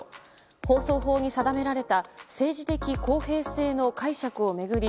放送法に定められた政治的公平性の解釈を巡り